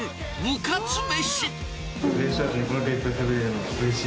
部活めし。